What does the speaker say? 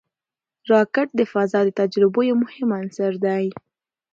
راکټ د فضا د تجربو یو مهم عنصر دی